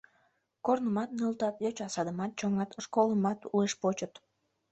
Корнымат нӧлтат, йочасадымат чоҥат, школымат уэш почыт.